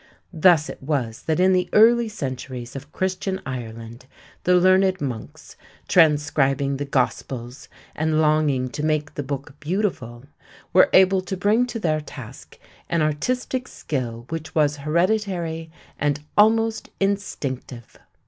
Thus it was that in the early centuries of Christian Ireland the learned monks, transcribing the Gospels and longing to make the book beautiful, were able to bring to their task an artistic skill which was hereditary and almost instinctive.